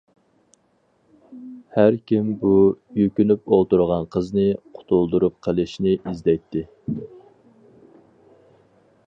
ھەركىم بۇ يۈكۈنۈپ ئولتۇرغان قىزنى قۇتۇلدۇرۇپ قېلىشنى ئىزدەيتتى.